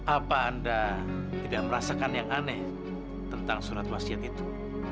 apa anda tidak merasakan yang aneh tentang surat wasiat itu